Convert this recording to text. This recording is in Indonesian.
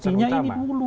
mestinya ini dulu